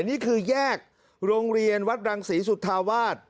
นี่คือแยกโรงเรียนวัดรังศรีสุธาวาส